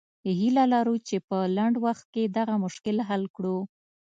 هیله لرو چې په لنډ وخت کې دغه مشکل حل کړو.